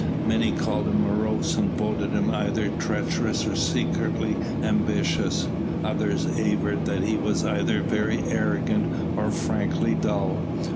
Many called him morose and voted him either treacherous or secretly ambitious; others averred that he was either very arrogant or frankly dull.